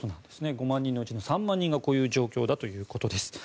５万人のうちの３万人がこういう状況だということです。